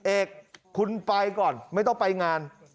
เอกคุณไปก่อนไม่ต้องไปงาน